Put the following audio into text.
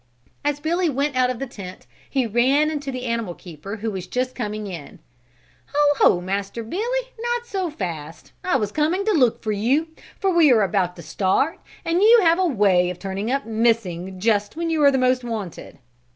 As Billy went out of the tent he ran into the animal keeper who was just coming in. "Ho, ho! Master Billy, not so fast. I was coming to look for you, for we are about to start and you have a way of turning up missing just when you are most wanted."